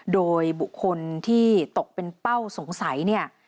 โดยบุคคลที่ตกเป็นเป้าสงสัยเนี่ย